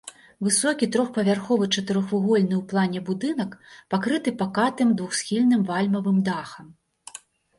Высокі трохпавярховы чатырохвугольны ў плане будынак пакрыты пакатым двухсхільным вальмавым дахам.